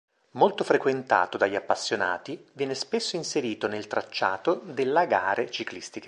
Molto frequentato dagli appassionati, viene spesso inserito nel tracciato della gare ciclistiche.